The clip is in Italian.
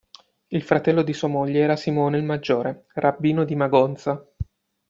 Il fratello di sua moglie era Simone il Maggiore, rabbino di Magonza.